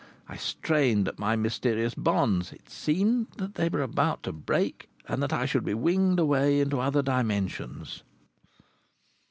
I strained at my mysterious bonds. It seemed that they were about to break and that I should be winged away into other dimensions....